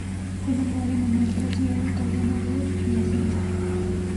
Fue nombrado en honor de la ciudad italiana de Piacenza.